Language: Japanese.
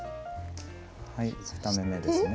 はい２目めですね